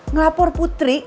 nahwan tahu nih